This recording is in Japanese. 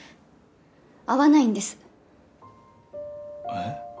えっ？